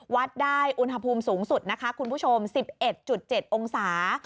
วัดได้อุณหภูมิสูงสุดนะคะคุณผู้ชม๑๑๗องศา